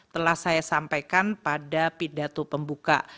telah saya sampaikan pada pidato pembuka